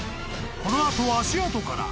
［この後足跡から］